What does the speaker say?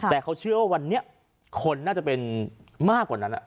แต่เขาเชื่อว่าวันนี้คนน่าจะเป็นมากกว่านั้น